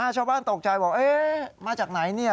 ชาวบ้านตกใจว่ามาจากไหนนี่